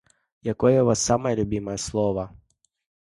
Якое ў вас самае любімае слова?